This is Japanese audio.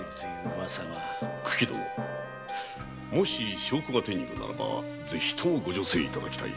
もし証拠が手に入るのならばぜひともご助勢いただきたい。